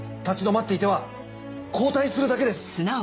立ち止まっていては後退するだけです。